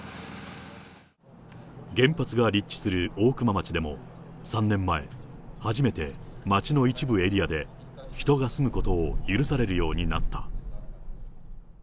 原発が立地する大熊町でも、３年前、初めて町の一部エリアで人が住むことを許されるようになった。